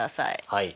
はい。